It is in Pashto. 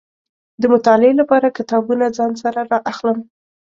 د مطالعې لپاره کتابونه ځان سره را اخلم.